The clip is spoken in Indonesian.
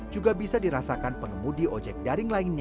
juga bisa dirasakan pengemudi ojek daring lainnya